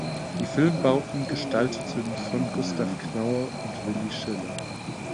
Die Filmbauten gestalteten von Gustav Knauer und Willy Schiller.